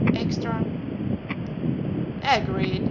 "Extra." "Agreed.